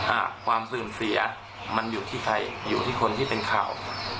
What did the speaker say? อ่าความเสื่อมเสียมันอยู่ที่ใครอยู่ที่คนที่เป็นข่าว